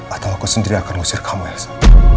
atau aku sendiri yang akan ngusir kamu elsa